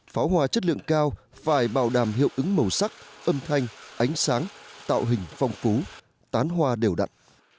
pháo hoa chất lượng cao phải bảo đảm hiệu ứng màu sắc âm thanh ánh sáng tạo hình phong phú tán hoa đều đặn